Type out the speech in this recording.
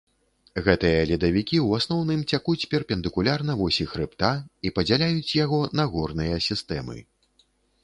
Гэтыя ледавікі ў асноўным цякуць перпендыкулярна восі хрыбта і падзяляюць яго на горныя сістэмы.